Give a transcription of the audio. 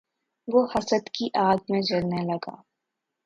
وہ حسد کی آگ میں جلنے لگا